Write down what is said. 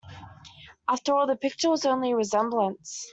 After all, the picture was only a resemblance.